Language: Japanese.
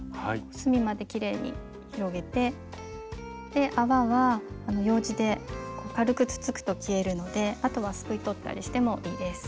隅まできれいに広げて泡はようじで軽くつつくと消えるのであとはすくい取ったりしてもいいです。